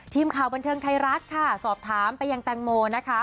ทีมข่าวบันเทิงไทยรัฐค่ะสอบถามไปยังแตงโมนะคะ